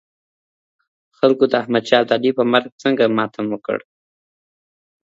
خلګو د احمد شاه ابدالي په مرګ څنګه ماتم وکړ؟